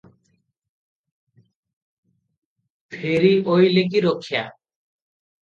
ଫେରି ଅଇଲେ କି ରକ୍ଷା?